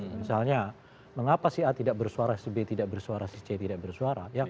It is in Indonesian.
misalnya mengapa si a tidak bersuara si b tidak bersuara si c tidak bersuara